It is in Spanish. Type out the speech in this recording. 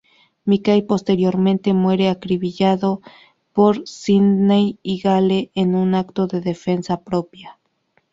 Mickey posteriormente muere acribillado por Sídney y Gale en un acto de defensa propia.